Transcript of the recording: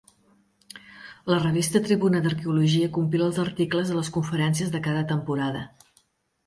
La revista Tribuna d'Arqueologia compila els articles de les conferències de cada temporada.